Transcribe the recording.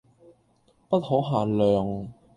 不可限量